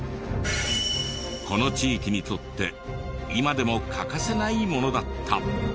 この地域にとって今でも欠かせないものだった。